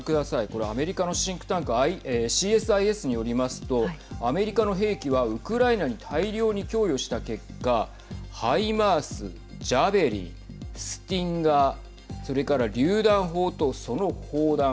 これアメリカのシンクタンクＣＳＩＳによりますとアメリカの兵器はウクライナに大量に供与した結果ハイマース、ジャベリンスティンガーそれから、りゅう弾砲とその砲弾